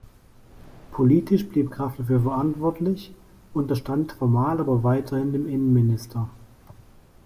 Politisch blieb Graf dafür verantwortlich, unterstand formal aber weiterhin dem Innenminister.